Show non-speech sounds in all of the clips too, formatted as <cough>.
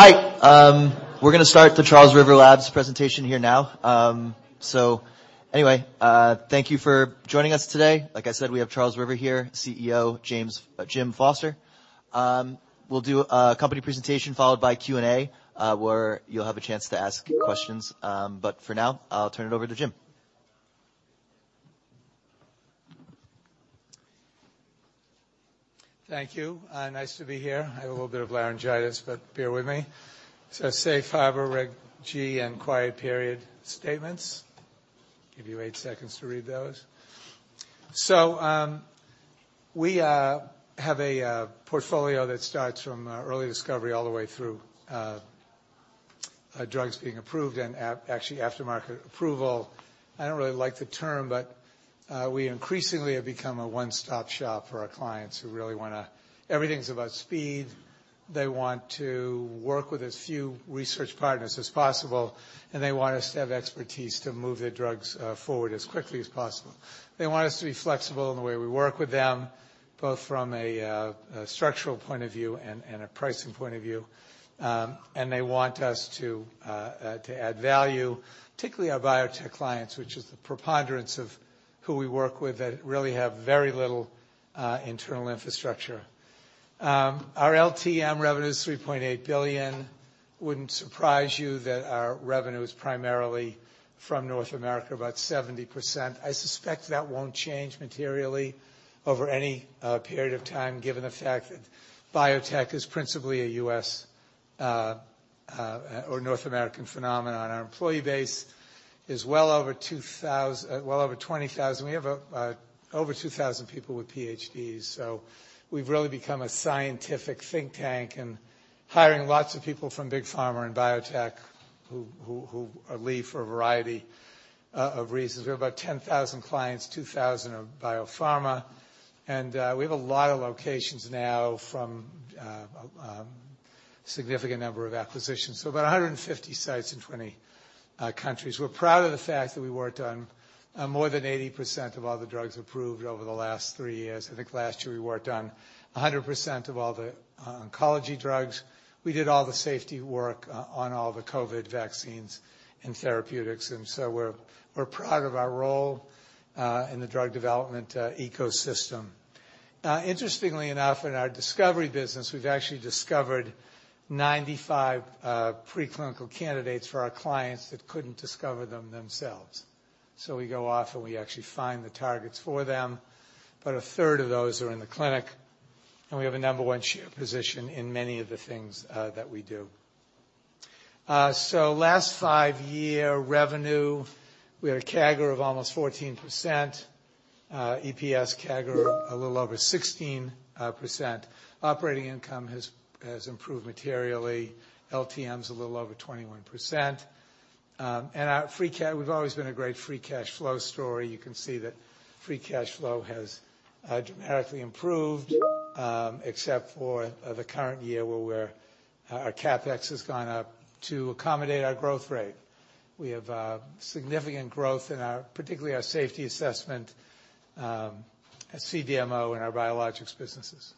Hi. We're going to start the Charles River Labs presentation here now. So anyway, thank you for joining us today. Like I said, we have Charles River here, CEO James, Jim Foster. We'll do a company presentation followed by Q&A, where you'll have a chance to ask questions. But for now, I'll turn it over to Jim. Thank you. Nice to be here. I have a little bit of laryngitis, but bear with me. Safe Harbor, Reg G, and Quiet Period Statements. Give you eight seconds to read those. We have a portfolio that starts from early discovery all the way through drugs being approved and actually aftermarket approval. I don't really like the term, but we increasingly have become a one-stop shop for our clients who really want to, everything's about speed. They want to work with as few research partners as possible, and they want us to have expertise to move their drugs forward as quickly as possible. They want us to be flexible in the way we work with them, both from a structural point of view and a pricing point of view. And they want us to add value, particularly our biotech clients, which is the preponderance of who we work with that really have very little internal infrastructure. Our LTM revenue is $3.8 billion. It wouldn't surprise you that our revenue is primarily from North America, about 70%. I suspect that won't change materially over any period of time, given the fact that biotech is principally a US or North American phenomenon. Our employee base is well over 20,000. We have over 2,000 people with PhDs. So we've really become a scientific think tank and hiring lots of people from big pharma and biotech who are laid off for a variety of reasons. We have about 10,000 clients, 2,000 are biopharma. And we have a lot of locations now from a significant number of acquisitions. So about 150 sites in 20 countries. We're proud of the fact that we worked on more than 80% of all the drugs approved over the last three years. I think last year we worked on 100% of all the oncology drugs. We did all the safety work on all the COVID vaccines and therapeutics. And so we're proud of our role in the drug development ecosystem. Interestingly enough, in our discovery business, we've actually discovered 95 preclinical candidates for our clients that couldn't discover them themselves. So we go off and we actually find the targets for them, but a third of those are in the clinic, and we have a number one share position in many of the things that we do. So last five-year revenue we had a CAGR of almost 14%. EPS CAGR a little over 16%. Operating income has improved materially. LTM's a little over 21%. We've always been a great free cash flow story. You can see that free cash flow has dramatically improved, except for the current year where our CapEx has gone up to accommodate our growth rate. We have significant growth, particularly our safety assessment CDMO in our biologics businesses.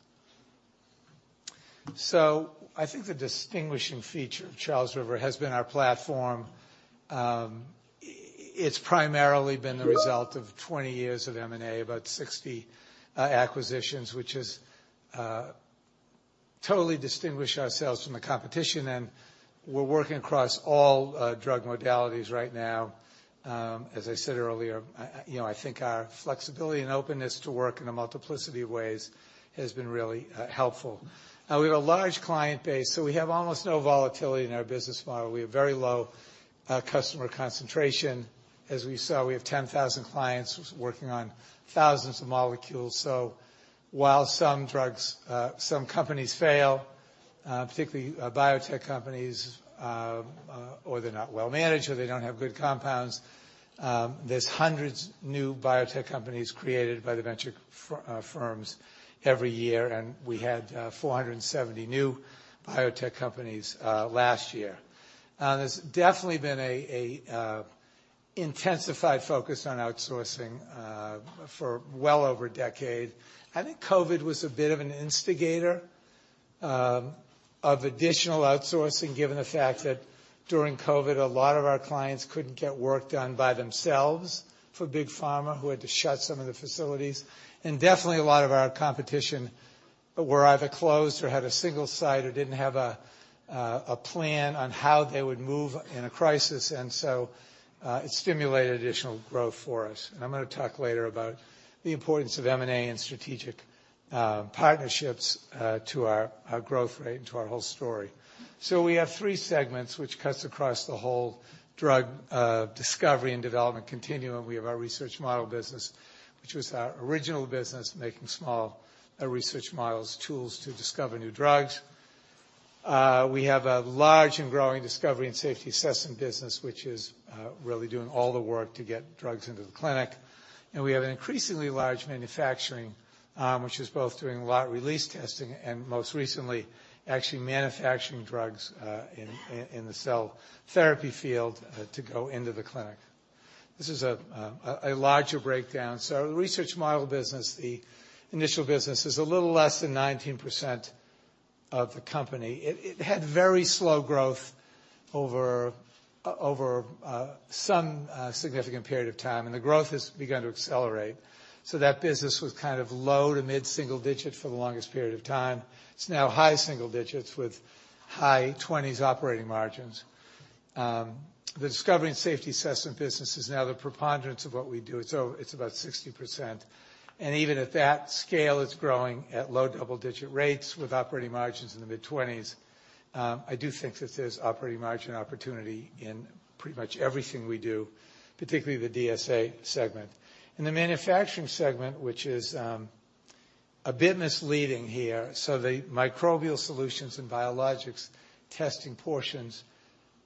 So I think the distinguishing feature of Charles River has been our platform. It's primarily been the result of 20 years of M&A, about 60 acquisitions, which has totally distinguished ourselves from the competition. And we're working across all drug modalities right now. As I said earlier, you know, I think our flexibility and openness to work in a multiplicity of ways has been really helpful. We have a large client base, so we have almost no volatility in our business model. We have very low customer concentration. As we saw, we have 10,000 clients working on thousands of molecules. While some drugs, some companies fail, particularly biotech companies, or they're not well managed or they don't have good compounds, there's hundreds of new biotech companies created by the venture firms every year. We had 470 new biotech companies last year. There's definitely been an intensified focus on outsourcing for well over a decade. I think COVID was a bit of an instigator of additional outsourcing, given the fact that during COVID, a lot of our clients couldn't get work done by themselves for big pharma who had to shut some of the facilities. Definitely a lot of our competition were either closed or had a single site or didn't have a plan on how they would move in a crisis. It stimulated additional growth for us. And I'm going to talk later about the importance of M&A and strategic partnerships to our growth rate and to our whole story. So we have three segments, which cuts across the whole drug discovery and development continuum. We have our Research Model Business, which was our original business, making small research models, tools to discover new drugs. We have Discovery and Safety Assessment business, which is really doing all the work to get drugs into the clinic. And we have an increasingly large manufacturing, which is both doing lot release testing and, most recently, actually manufacturing drugs in the cell therapy field to go into the clinic. This is a larger breakdown. So the Research Model Business, the initial business, is a little less than 19% of the company. It had very slow growth over some significant period of time, and the growth has begun to accelerate. So that business was kind of low- to mid-single-digit for the longest period of time. It's now high single digits with Discovery and Safety Assessment business is now the preponderance of what we do. It's about 60%. And even at that scale, it's growing at low double-digit rates with operating margins in the mid-20s. I do think that there's operating margin opportunity in pretty much everything we do, particularly the DSA segment. In the Manufacturing Segment, which is a bit misleading here, so the Microbial Solutions and Biologics Testing portions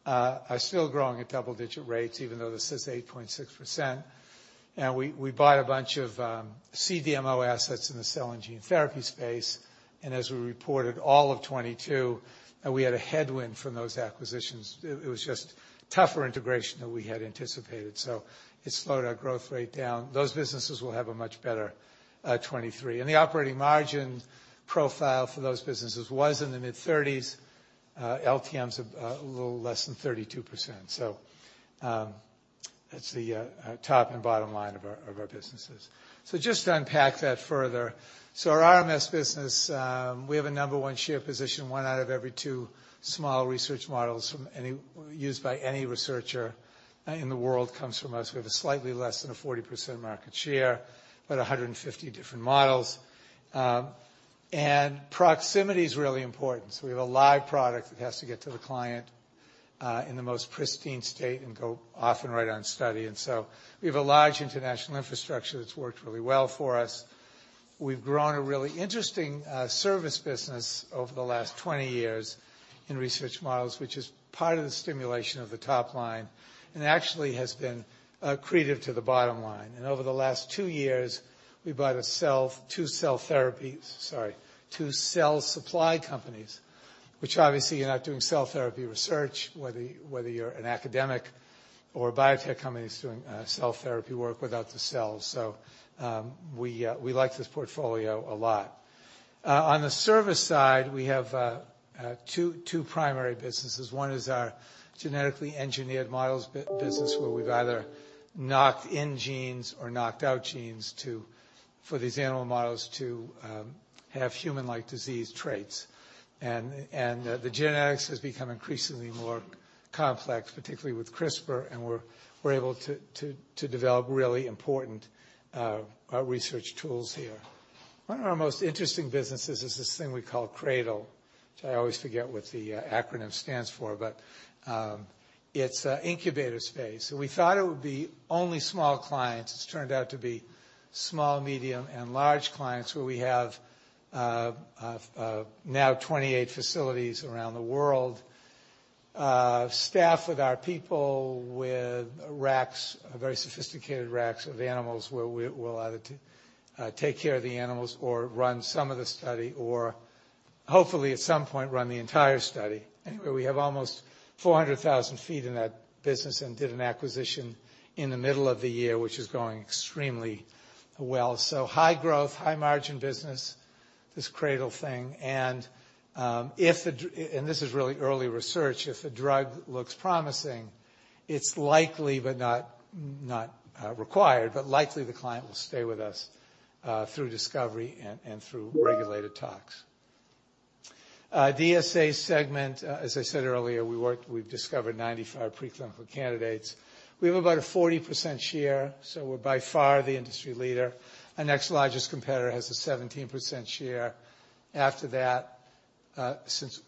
are still growing at double-digit rates, even though this is 8.6%. And we bought a bunch of CDMO assets in the cell and gene therapy space. And as we reported, all of 2022, we had a headwind from those acquisitions. It was just tougher integration than we had anticipated. So it slowed our growth rate down. Those businesses will have a much better 2023. And the operating margin profile for those businesses was in the mid-30s. LTM's a little less than 32%. So that's the top and bottom line of our businesses. So just to unpack that further, so our RMS business, we have a number one share position, one out of every two small research models from any used by any researcher in the world comes from us. We have a slightly less than a 40% market share, but 150 different models, and proximity is really important. So we have a live product that has to get to the client in the most pristine state and go off and thrive on study. And so we have a large international infrastructure that's worked really well for us. We've grown a really interesting service business over the last 20 years in research models, which is part of the stimulation of the top line and actually has been accretive to the bottom line. And over the last two years, we bought two cell supply companies, which obviously you're not doing cell therapy research whether you're an academic or a biotech company that's doing cell therapy work without the cells. So we like this portfolio a lot. On the service side, we have two primary businesses. One is our genetically engineered models business, where we've either knocked in genes or knocked out genes to, for these animal models, to have human-like disease traits. And the genetics has become increasingly more complex, particularly with CRISPR, and we're able to develop really important research tools here. One of our most interesting businesses is this thing we call CRADL, which I always forget what the acronym stands for, but it's an incubator space. So we thought it would be only small clients. It's turned out to be small, medium, and large clients, where we have now 28 facilities around the world, staffed with our people, with racks, very sophisticated racks of animals where we will either take care of the animals or run some of the study or, hopefully, at some point, run the entire study. Anyway, we have almost 400,000 sq ft in that business and did an acquisition in the middle of the year, which is going extremely well. So high growth, high-margin business, this CRADL thing. And if the drug—and this is really early research—if the drug looks promising, it's likely, but not required, but likely the client will stay with us, through discovery and through reg tox. DSA segment, as I said earlier, we've discovered 95 preclinical candidates. We have about a 40% share, so we're by far the industry leader. Our next largest competitor has a 17% share. After that, since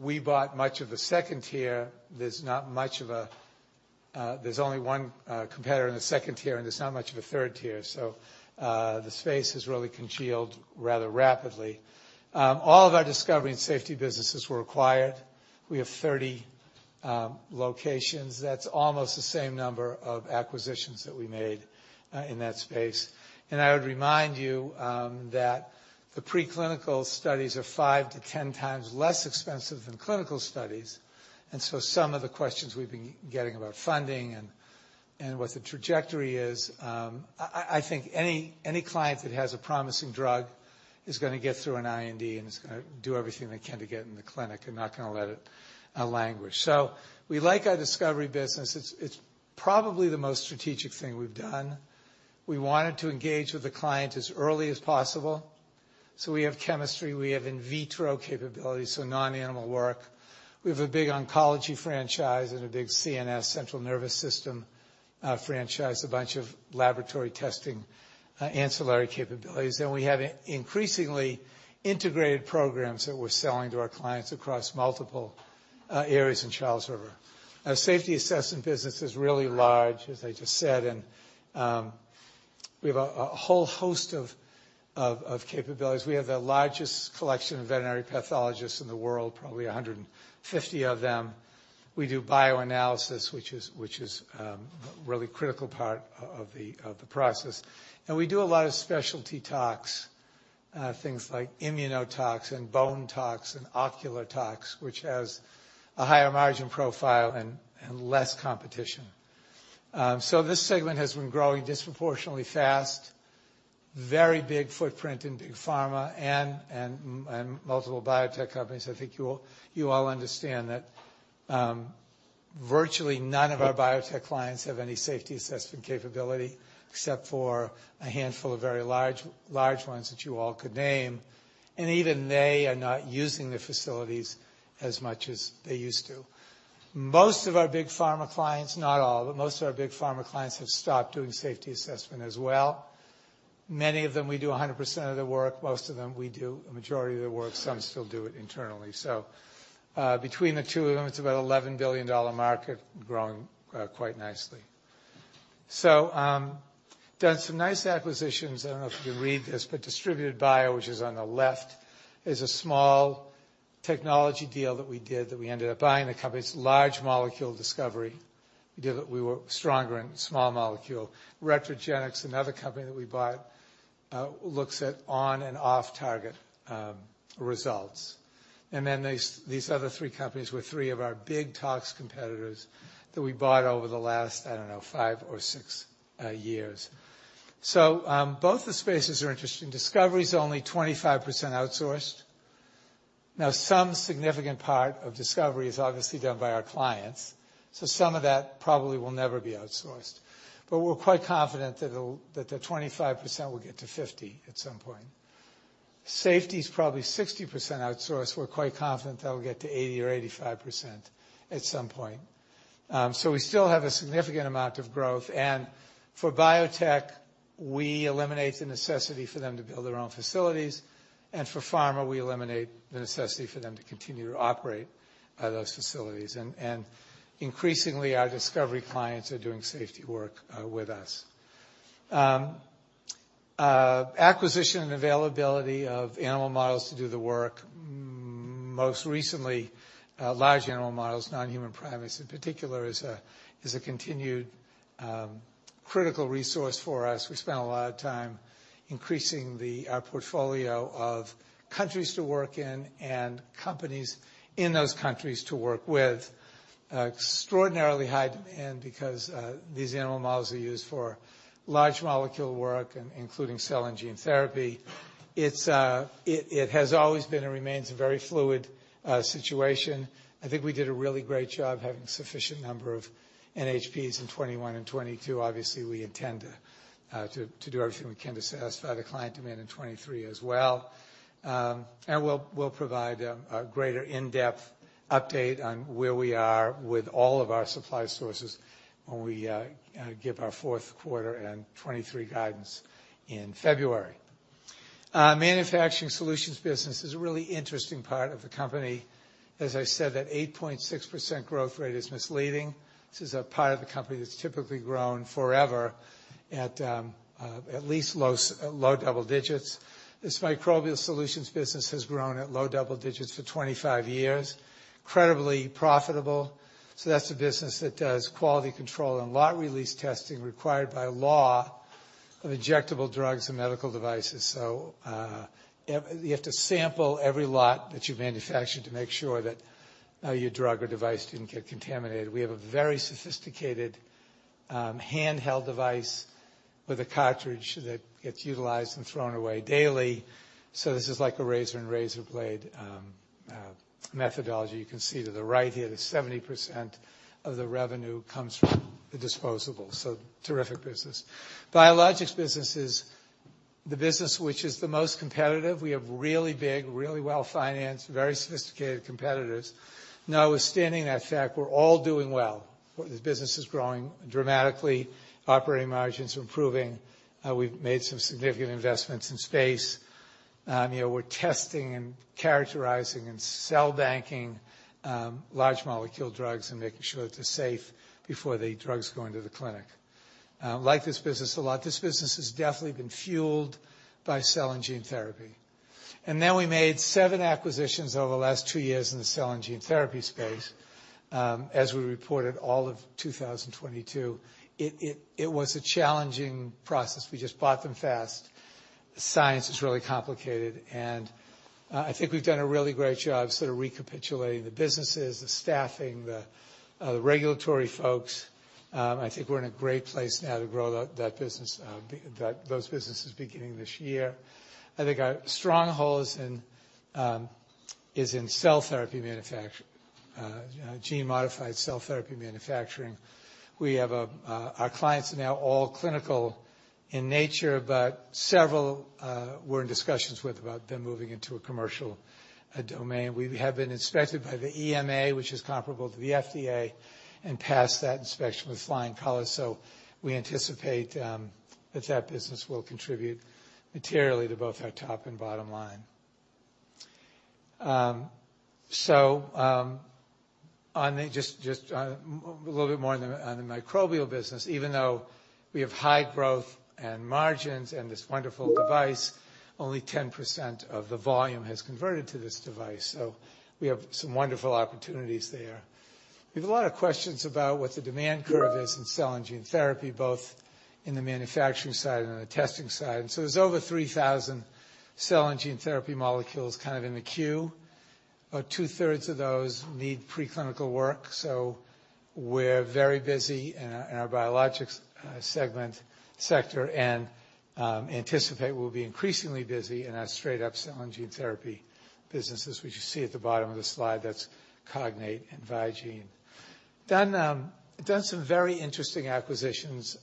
we bought much of the second tier, there's not much of a. There's only one competitor in the second tier, and there's not much of a third tier. So the space has really congealed rather rapidly. All of our discovery and safety businesses were acquired. We have 30 locations. That's almost the same number of acquisitions that we made in that space, and I would remind you that the preclinical studies are 5-10 times less expensive than clinical studies, and so some of the questions we've been getting about funding and what the trajectory is. I think any client that has a promising drug is going to get through an IND and is going to do everything they can to get it in the clinic and not going to let it languish, so we like our discovery business. It's probably the most strategic thing we've done. We wanted to engage with the client as early as possible, so we have chemistry. We have in vitro capabilities, so non-animal work. We have a big oncology franchise and a big CNS, central nervous system, franchise, a bunch of laboratory testing, ancillary capabilities, and we have increasingly integrated programs that we're selling to our clients across multiple areas in Charles River. Our Safety Assessment Business is really large, as I just said, and we have a whole host of capabilities. We have the largest collection of veterinary pathologists in the world, probably 150 of them. We do bioanalysis, which is a really critical part of the process, and we do a lot of specialty tox, things like immunotox and bone tox and ocular tox, which has a higher margin profile and less competition, so this segment has been growing disproportionately fast, very big footprint in big pharma and multiple biotech companies. I think you all, you all understand that, virtually none of our biotech clients have any safety assessment capability except for a handful of very large, large ones that you all could name. And even they are not using the facilities as much as they used to. Most of our big pharma clients, not all, but most of our big pharma clients, have stopped doing safety assessment as well. Many of them, we do 100% of the work. Most of them, we do a majority of the work. Some still do it internally. So, between the two of them, it's about a $11 billion market, growing, quite nicely. So, done some nice acquisitions. I don't know if you can read this, but Distributed Bio, which is on the left, is a small technology deal that we did that we ended up buying. The company's large molecule discovery. We did it. We were stronger in small molecule. Retrogenix, another company that we bought, looks at on- and off-target results. And then these, these other three companies were three of our big tox competitors that we bought over the last, I don't know, five or six years. So, both the spaces are interesting. Discovery's only 25% outsourced. Now, some significant part of discovery is obviously done by our clients. So some of that probably will never be outsourced. But we're quite confident that it'll, that the 25% will get to 50% at some point. Safety's probably 60% outsourced. We're quite confident that'll get to 80% or 85% at some point, so we still have a significant amount of growth. And for biotech, we eliminate the necessity for them to build their own facilities. And for pharma, we eliminate the necessity for them to continue to operate those facilities. Increasingly, our discovery clients are doing safety work with us. Acquisition and availability of animal models to do the work, most recently large animal models, non-human primates in particular, is a continued critical resource for us. We spent a lot of time increasing our portfolio of countries to work in and companies in those countries to work with. Extraordinarily high demand because these animal models are used for large molecule work, including cell and gene therapy. It has always been and remains a very fluid situation. I think we did a really great job having a sufficient number of NHPs in 2021 and 2022. Obviously, we intend to do everything we can to satisfy the client demand in 2023 as well. and we'll provide a greater in-depth update on where we are with all of our supply sources when we give our Q4 and 2023 guidance in February. Manufacturing Solutions business is a really interesting part of the company. As I said, that 8.6% growth rate is misleading. This is a part of the company that's typically grown forever at least low double digits. This microbial solutions business has grown at low double digits for 25 years, incredibly profitable. So that's a business that does quality control and lot release testing required by law of injectable drugs and medical devices. So, you have to sample every lot that you manufacture to make sure that your drug or device didn't get contaminated. We have a very sophisticated handheld device with a cartridge that gets utilized and thrown away daily. So this is like a razor and razor blade, methodology. You can see to the right here, the 70% of the revenue comes from the disposables. So terrific business. Biologics business is the business which is the most competitive. We have really big, really well-financed, very sophisticated competitors. Notwithstanding that fact, we're all doing well. The business is growing dramatically. Operating margins are improving. We've made some significant investments in space. You know, we're testing and characterizing and cell banking, large molecule drugs and making sure that they're safe before the drugs go into the clinic. I like this business a lot, this business has definitely been fueled by cell and gene therapy. And then we made seven acquisitions over the last two years in the cell and gene therapy space, as we reported all of 2022. It was a challenging process. We just bought them fast. Science is really complicated, and I think we've done a really great job sort of recapitulating the businesses, the staffing, the regulatory folks. I think we're in a great place now to grow that business, those businesses beginning this year. I think our stronghold is in cell therapy manufacturing, gene-modified cell therapy manufacturing. Our clients are now all clinical in nature, but several, we're in discussions with about them moving into a commercial domain. We have been inspected by the EMA, which is comparable to the FDA, and passed that inspection with flying colors, so we anticipate that business will contribute materially to both our top and bottom line. So, just a little bit more on the microbial business, even though we have high growth and margins and this wonderful device, only 10% of the volume has converted to this device. So we have some wonderful opportunities there. We have a lot of questions about what the demand curve is in cell and gene therapy, both in the manufacturing side and on the testing side. And so there's over 3,000 cell and gene therapy molecules kind of in the queue. About two-thirds of those need preclinical work. So we're very busy in our biologics segment sector and anticipate we'll be increasingly busy in our straight-up cell and gene therapy businesses, which you see at the bottom of the slide. That's Cognate and Vigene. We've done some very interesting acquisitions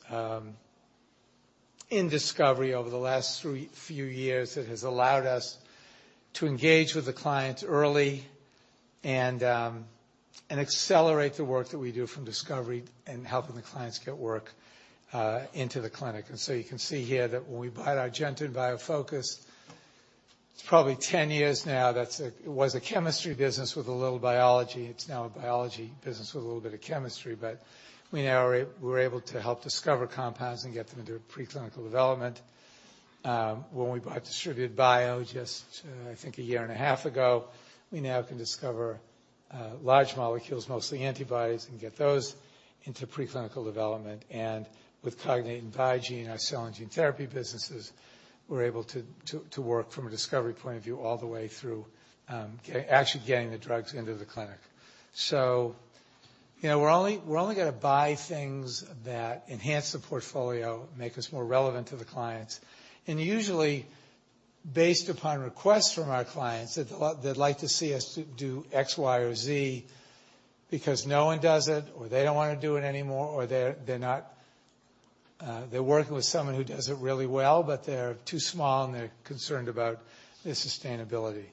in discovery over the last three, few years that has allowed us to engage with the clients early and accelerate the work that we do from discovery and helping the clients get work into the clinic. So you can see here that when we bought Argenta BioFocus, it's probably 10 years now. That's it was a chemistry business with a little biology. It's now a biology business with a little bit of chemistry. But we're able to help discover compounds and get them into preclinical development. When we bought Distributed Bio just I think a year and a half ago, we now can discover large molecules, mostly antibodies, and get those into preclinical development. With Cognate and Vigene, our cell and gene therapy businesses, we're able to work from a discovery point of view all the way through, actually getting the drugs into the clinic. You know, we're only going to buy things that enhance the portfolio, make us more relevant to the clients. Usually, based upon requests from our clients that they'd like to see us do X, Y, or Z because no one does it or they don't want to do it anymore or they're not working with someone who does it really well, but they're too small and they're concerned about the sustainability.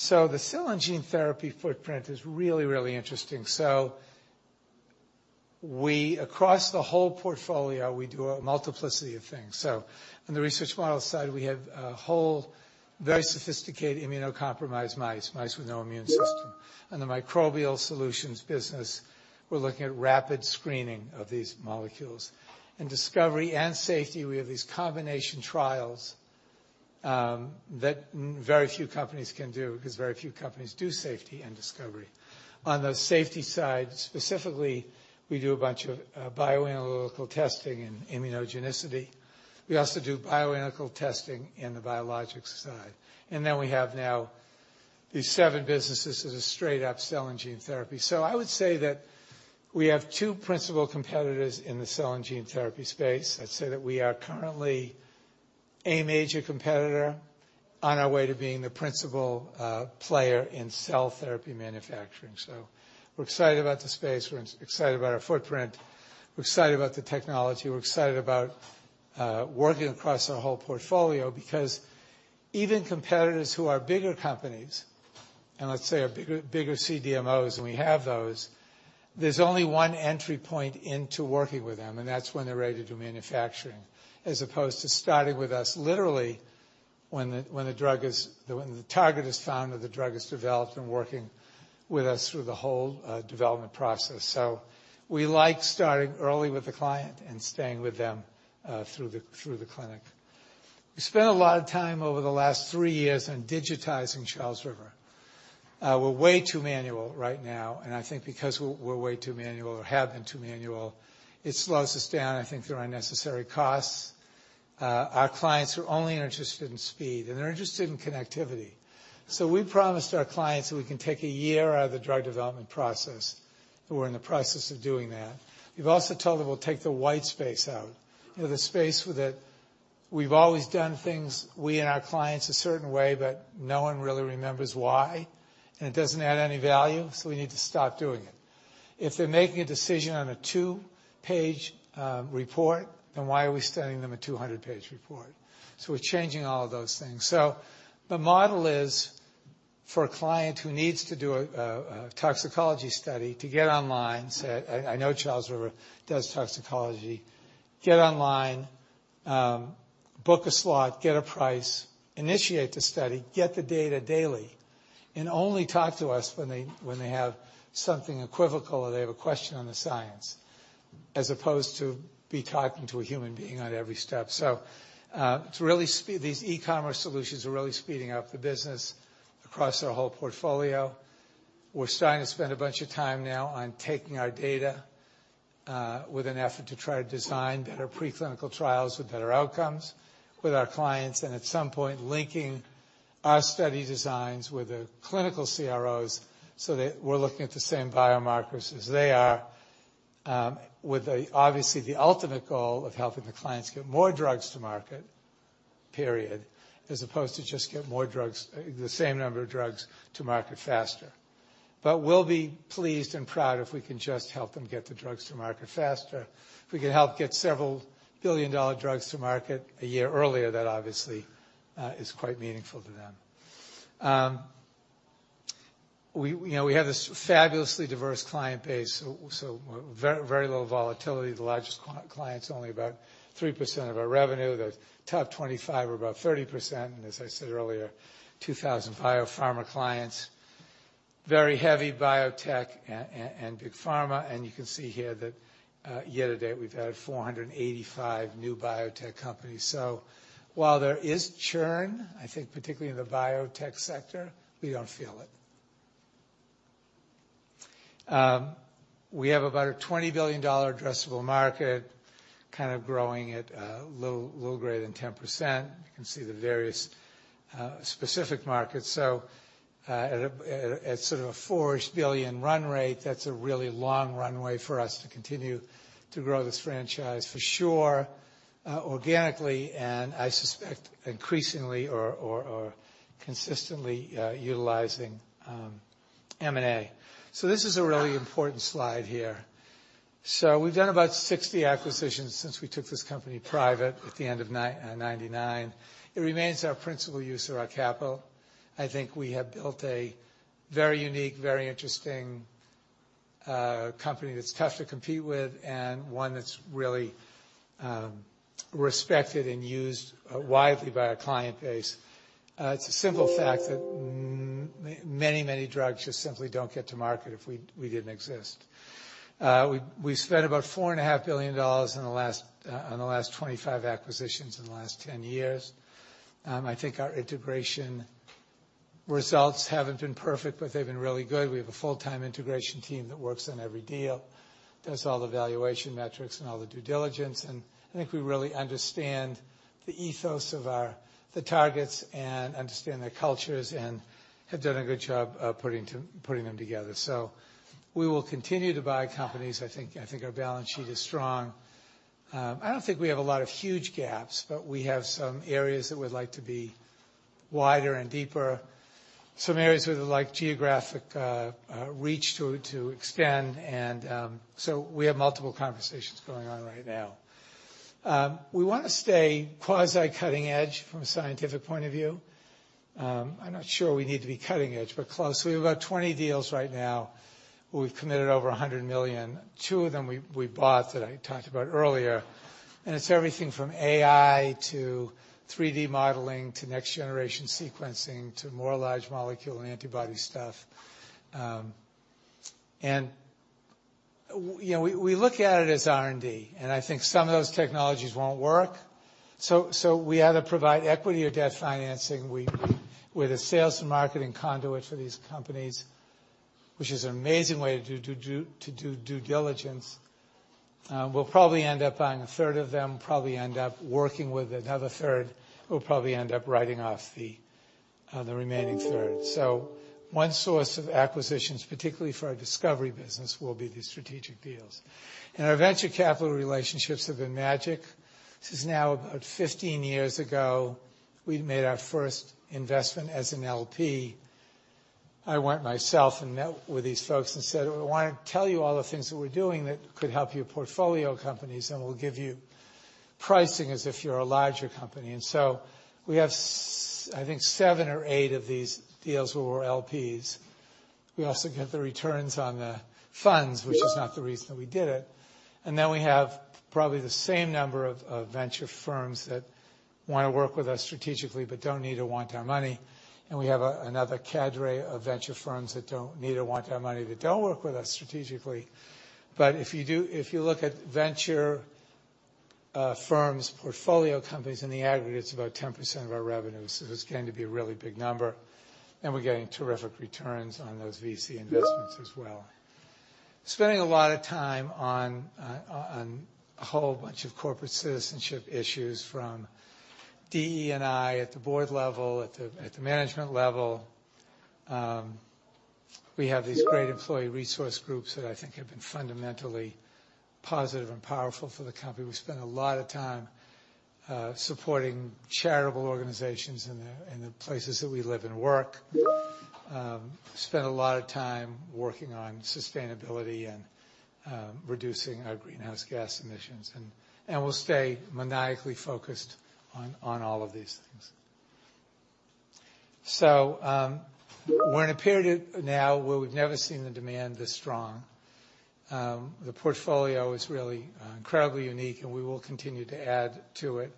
The cell and gene therapy footprint is really interesting. Across the whole portfolio, we do a multiplicity of things. So on the Research Model side, we have a whole, very sophisticated immunocompromised mice, mice with no immune system. On the microbial solutions business, we're looking at rapid screening of these molecules. In discovery and safety, we have these combination trials that very few companies can do because very few companies do safety and discovery. On the safety side, specifically, we do a bunch of bioanalytical testing and immunogenicity. We also do bioanalytical testing in the biologics side, and then we have now these seven businesses that are straight-up cell and gene therapy. I would say that we have two principal competitors in the cell and gene therapy space. I'd say that we are currently a major competitor on our way to being the principal player in cell therapy manufacturing. We're excited about the space. We're excited about our footprint. We're excited about the technology. We're excited about working across our whole portfolio because even competitors who are bigger companies, and let's say our bigger CDMOs, and we have those, there's only one entry point into working with them, and that's when they're ready to do manufacturing, as opposed to starting with us literally when the target is found or the drug is developed and working with us through the whole development process. So we like starting early with the client and staying with them through the clinic. We spent a lot of time over the last three years on digitizing Charles River. We're way too manual right now, and I think because we're way too manual or have been too manual, it slows us down. I think there are unnecessary costs. Our clients are only interested in speed, and they're interested in connectivity. So we promised our clients that we can take a year out of the drug development process. We're in the process of doing that. We've also told them we'll take the white space out, you know, the space that we've always done things we and our clients a certain way, but no one really remembers why, and it doesn't add any value. So we need to stop doing it. If they're making a decision on a two-page report, then why are we sending them a 200-page report? So we're changing all of those things. So the model is for a client who needs to do a toxicology study to get online, say, "I know Charles River does toxicology." Get online, book a slot, get a price, initiate the study, get the data daily, and only talk to us when they have something equivocal or they have a question on the science, as opposed to be talking to a human being on every step. So, it's really speeding. These e-commerce solutions are really speeding up the business across our whole portfolio. We're starting to spend a bunch of time now on taking our data, with an effort to try to design better preclinical trials with better outcomes with our clients, and at some point, linking our study designs with the clinical CROs so that we're looking at the same biomarkers as they are, with the, obviously, the ultimate goal of helping the clients get more drugs to market, period, as opposed to just get more drugs, the same number of drugs to market faster. But we'll be pleased and proud if we can just help them get the drugs to market faster. If we can help get several billion-dollar drugs to market a year earlier, that obviously, is quite meaningful to them. We, you know, we have this fabulously diverse client base, so, so very, very low volatility. The largest client's only about 3% of our revenue. The top 25 are about 30%, and as I said earlier, 2,000 biopharma clients, very heavy biotech and big pharma. And you can see here that, year to date, we've had 485 new biotech companies. So while there is churn, I think, particularly in the biotech sector, we don't feel it. We have about a $20 billion addressable market, kind of growing at low greater than 10%. You can see the various specific markets, so at sort of a $4 billion-ish run rate, that's a really long runway for us to continue to grow this franchise for sure, organically, and I suspect increasingly or consistently utilizing M&A. This is a really important slide here, so we've done about 60 acquisitions since we took this company private at the end of 1999. It remains our principal use of our capital. I think we have built a very unique, very interesting, company that's tough to compete with and one that's really, respected and used, widely by our client base. It's a simple fact that many, many drugs just simply don't get to market if we didn't exist. We've spent about $4.5 billion on the last 25 acquisitions in the last 10 years. I think our integration results haven't been perfect, but they've been really good. We have a full-time integration team that works on every deal, does all the valuation metrics and all the due diligence, and I think we really understand the ethos of our, the targets and understand their cultures and have done a good job putting them together, so we will continue to buy companies. I think our balance sheet is strong. I don't think we have a lot of huge gaps, but we have some areas that we'd like to be wider and deeper, some areas where we'd like geographic reach to extend, so we have multiple conversations going on right now. We want to stay quasi-cutting edge from a scientific point of view. I'm not sure we need to be cutting edge, but close. We have about 20 deals right now where we've committed over $100 million. Two of them we bought that I talked about earlier. It's everything from AI to 3D modeling to next-generation sequencing to more large molecule and antibody stuff. You know, we look at it as R&D, and I think some of those technologies won't work. We either provide equity or debt financing. We with a sales and marketing conduit for these companies, which is an amazing way to do due diligence. We'll probably end up buying a third of them, probably end up working with another third. We'll probably end up writing off the remaining third, so one source of acquisitions, particularly for our discovery business, will be these strategic deals, and our venture capital relationships have been magic. This is now about 15 years ago. We made our first investment as an LP. I went myself and met with these folks and said, "We want to tell you all the things that we're doing that could help your portfolio companies, and we'll give you pricing as if you're a larger company," and so we have, I think, seven or eight of these deals where we're LPs. We also get the returns on the funds, which is not the reason that we did it. And then we have probably the same number of venture firms that want to work with us strategically but don't need to want our money. And we have another cadre of venture firms that don't need to want our money, that don't work with us strategically. But if you do, if you look at venture firms portfolio companies in the aggregate, it's about 10% of our revenue. So it's going to be a really big number. And we're getting terrific returns on those VC investments as well. Spending a lot of time on a whole bunch of corporate citizenship issues from DE&I at the board level, at the management level. We have these great employee resource groups that I think have been fundamentally positive and powerful for the company. We spend a lot of time supporting charitable organizations in the places that we live and work. Spent a lot of time working on sustainability and reducing our greenhouse gas emissions, and we'll stay maniacally focused on all of these things, so we're in a period now where we've never seen the demand this strong. The portfolio is really incredibly unique, and we will continue to add to it.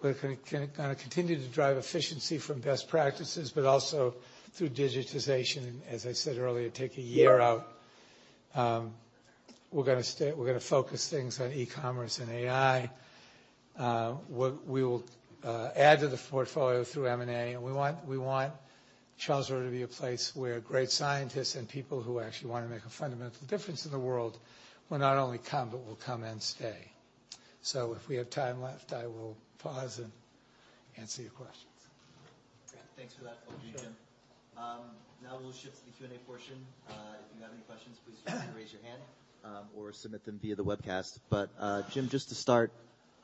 We're going to continue to drive efficiency from best practices, but also through digitization, and as I said earlier, take a year out. We're going to stay. We're going to focus things on e-commerce and AI. We will add to the portfolio through M&A. And we want, we want Charles River to be a place where great scientists and people who actually want to make a fundamental difference in the world will not only come, but will come and stay. So if we have time left, I will pause and answer your questions. Great. <inaudible> Thank you, Jim. Now we'll shift to the Q&A portion. If you have any questions, please feel free to raise your hand. Or submit them via the webcast. But, Jim, just to start,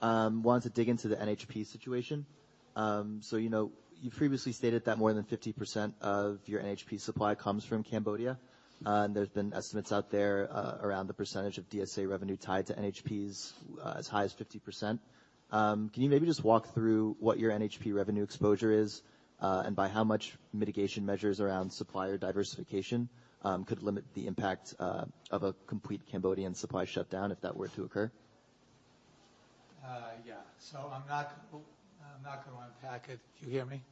wanted to dig into the NHP situation. So, you know, you previously stated that more than 50% of your NHP supply comes from Cambodia. And there's been estimates out there, around the percentage of DSA revenue tied to NHPs, as high as 50%. Can you maybe just walk through what your NHP revenue exposure is, and by how much mitigation measures around supplier diversification, could limit the impact, of a complete Cambodian supply shutdown if that were to occur? Yeah. So I'm not, I'm not going to unpack it. Do you hear me?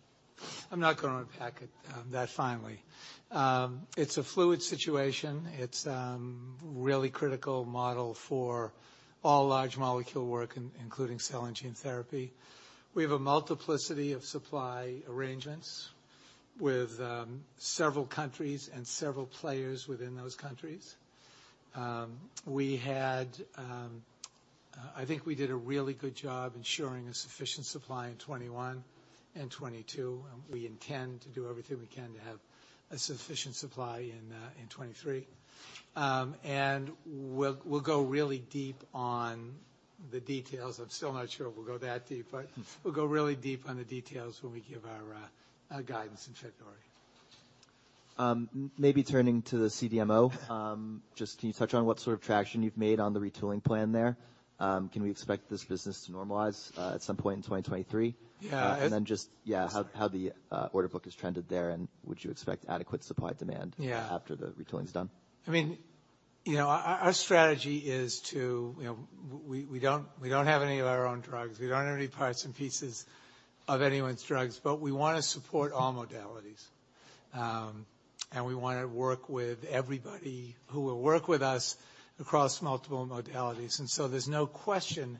I'm not going to unpack it that finely. It's a fluid situation. It's really critical model for all large molecule work, including cell and gene therapy. We have a multiplicity of supply arrangements with several countries and several players within those countries. We had, I think we did a really good job ensuring a sufficient supply in 2021 and 2022. And we intend to do everything we can to have a sufficient supply in 2023. And we'll, we'll go really deep on the details. I'm still not sure we'll go that deep, but we'll go really deep on the details when we give our guidance in February. Maybe turning to the CDMO, just can you touch on what sort of traction you've made on the retooling plan there? Can we expect this business to normalize, at some point in 2023? Yeah. And then, how the order book has trended there, and would you expect adequate supply demand after the retooling's done? I mean, you know, our strategy is to, you know, we don't have any of our own drugs. We don't have any parts and pieces of anyone's drugs, but we want to support all modalities. And we want to work with everybody who will work with us across multiple modalities. And so there's no question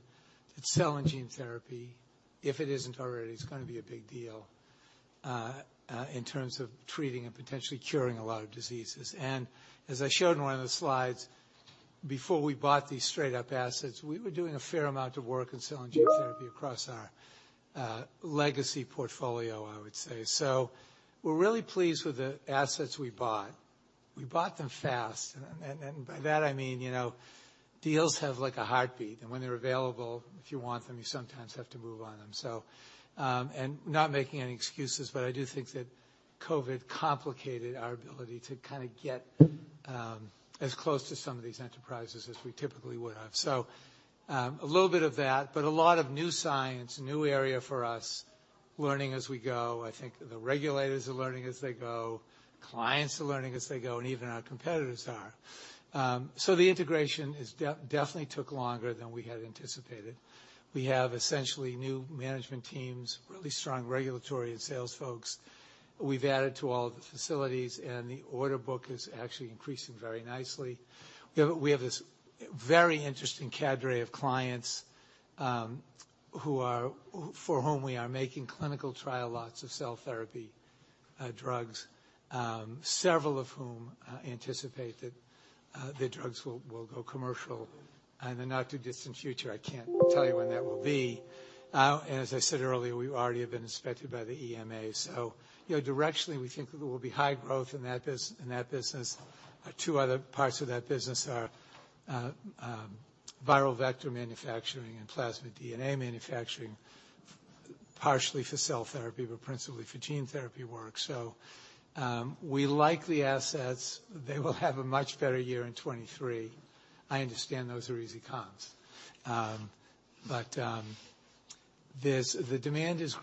that cell and gene therapy, if it isn't already, it's going to be a big deal in terms of treating and potentially curing a lot of diseases. And as I showed in one of the slides, before we bought these straight-up assets, we were doing a fair amount of work in cell and gene therapy across our legacy portfolio, I would say. So we're really pleased with the assets we bought. We bought them fast. And by that, I mean, you know, deals have like a heartbeat. When they're available, if you want them, you sometimes have to move on them. And not making any excuses, but I do think that COVID complicated our ability to kind of get as close to some of these enterprises as we typically would have. A little bit of that, but a lot of new science, new area for us, learning as we go. I think the regulators are learning as they go, clients are learning as they go, and even our competitors are. So the integration definitely took longer than we had anticipated. We have essentially new management teams, really strong regulatory and sales folks. We've added to all of the facilities, and the order book is actually increasing very nicely. We have this very interesting cadre of clients, who are, for whom we are making clinical trial lots of cell therapy drugs, several of whom anticipate that the drugs will go commercial in the not-too-distant future. I can't tell you when that will be. And as I said earlier, we already have been inspected by the EMA. So, you know, directionally, we think that there will be high growth in that business. Two other parts of that business are viral vector manufacturing and plasmid DNA manufacturing, partially for cell therapy, but principally for gene therapy work. So, we like the assets. They will have a much better year in 2023. I understand those are easy comps. But there's great demand. As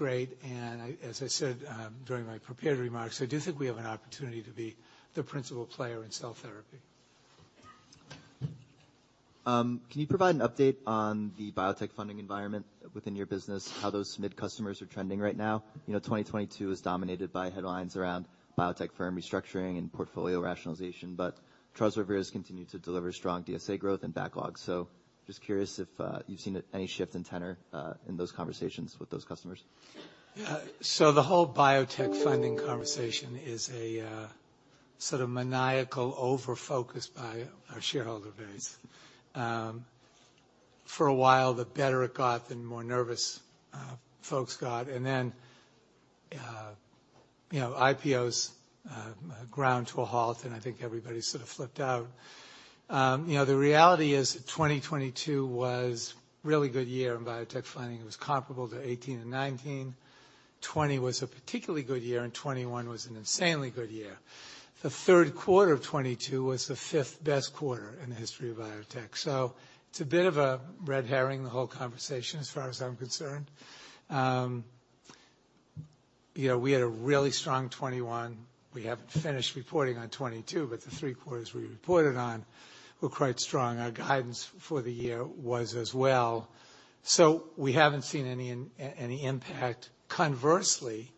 I said, during my prepared remarks, I do think we have an opportunity to be the principal player in cell therapy. Can you provide an update on the biotech funding environment within your business, how those mid-customers are trending right now? You know, 2022 is dominated by headlines around biotech firm restructuring and portfolio rationalization, but Charles River has continued to deliver strong DSA growth and backlog. So just curious if you've seen any shift in tenor in those conversations with those customers. Yeah. So the whole biotech funding conversation is a sort of maniacal over-focus by our shareholder base for a while, the better it got, the more nervous folks got, and then, you know, IPOs ground to a halt, and I think everybody sort of flipped out. You know, the reality is that 2022 was a really good year in biotech funding. It was comparable to 2018 and 2019. 2020 was a particularly good year, and 2021 was an insanely good year. The Q3 of 2022 was the fifth best quarter in the history of biotech, so it's a bit of a red herring, the whole conversation, as far as I'm concerned. You know, we had a really strong 2021. We haven't finished reporting on 2022, but the three quarters we reported on were quite strong. Our guidance for the year was as well. So we haven't seen any impact. Conversely,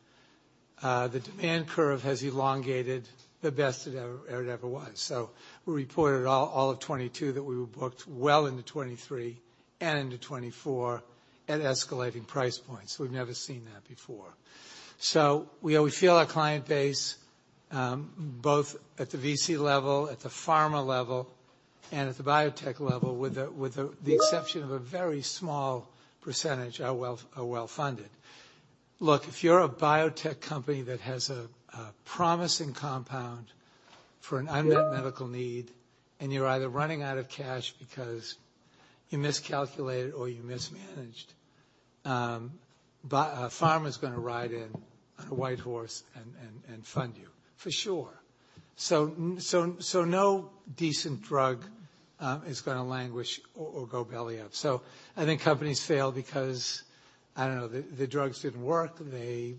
the demand curve has elongated the best it ever was. So we reported all of 2022 that we were booked well into 2023 and into 2024 at escalating price points. We've never seen that before. So we always feel our client base, both at the VC level, at the pharma level, and at the biotech level, with the exception of a very small percentage, are well-funded. Look, if you're a biotech company that has a promising compound for an unmet medical need, and you're either running out of cash because you miscalculated or you mismanaged, but pharma's going to ride in on a white horse and fund you for sure. So no decent drug is going to languish or go belly up. I think companies fail because I don't know, the drugs didn't work. They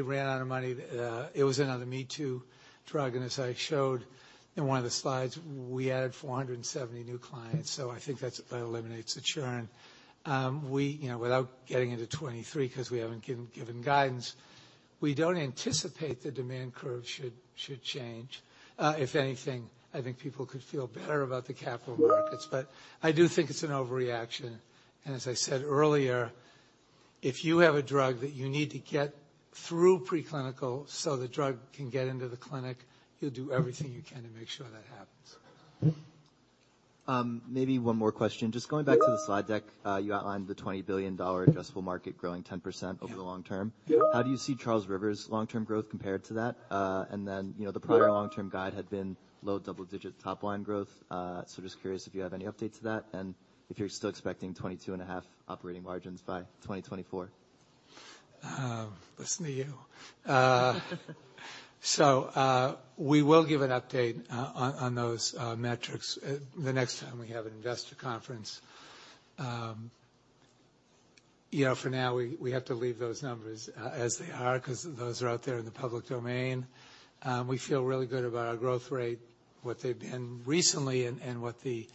ran out of money. It was another me too drug. And as I showed in one of the slides, we added 470 new clients. So I think that eliminates the churn. We, you know, without getting into 2023, because we haven't given guidance, we don't anticipate the demand curve should change. If anything, I think people could feel better about the capital markets. But I do think it's an overreaction. And as I said earlier, if you have a drug that you need to get through preclinical so the drug can get into the clinic, you'll do everything you can to make sure that happens. Maybe one more question. Just going back to the slide deck, you outlined the $20 billion addressable market growing 10% over the long term. How do you see Charles River's long-term growth compared to that? And then, you know, the prior long-term guide had been low double-digit top-line growth. So just curious if you have any updates to that and if you're still expecting 22.5 operating margins by 2024. Listen to you. So, we will give an update on those metrics the next time we have an investor conference. You know, for now, we have to leave those numbers as they are, because those are out there in the public domain. We feel really good about our growth rate, what they've been recently, and what the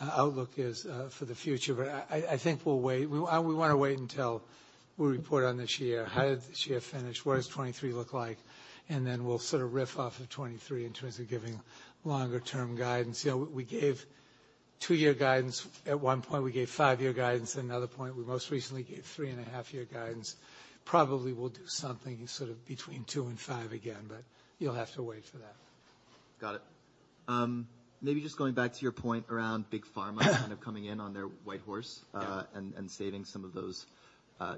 outlook is for the future. But I think we'll wait. We want to wait until we report on this year, how did this year finish, what does 2023 look like, and then we'll sort of riff off of 2023 in terms of giving longer-term guidance. You know, we gave two-year guidance at one point. We gave five-year guidance at another point. We most recently gave three-and-a-half-year guidance. Probably we'll do something sort of between two and five again, but you'll have to wait for that. Got it. Maybe just going back to your point around big pharma kind of coming in on their white horse, and, and saving some of those,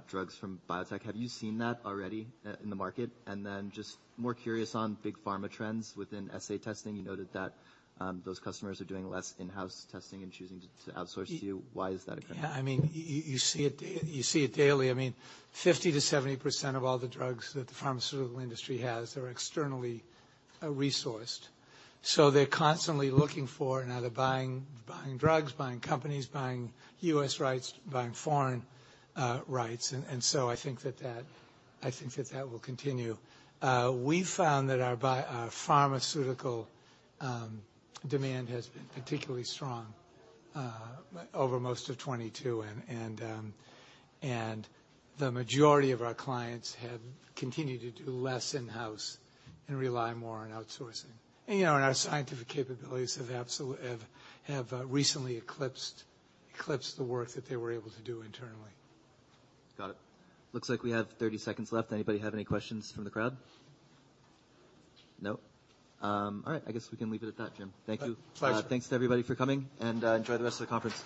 drugs from biotech. Have you seen that already, in the market? And then just more curious on big pharma trends within safety testing. You noted that, those customers are doing less in-house testing and choosing to outsource to you. Why is that occurring? Yeah. I mean, you see it daily. I mean, 50%-70 of all the drugs that the pharmaceutical industry has are externally resourced. So they're constantly looking for, and now they're buying, buying drugs, buying companies, buying US rights, buying foreign rights. And so I think that will continue. We found that our biopharma demand has been particularly strong over most of 2022. And the majority of our clients have continued to do less in-house and rely more on outsourcing. And, you know, our scientific capabilities have absolutely recently eclipsed the work that they were able to do internally. Got it. Looks like we have 30 seconds left. Anybody have any questions from the crowd? No? All right. I guess we can leave it at that, Jim. Thank you. Pleasure. Thanks to everybody for coming, and enjoy the rest of the conference.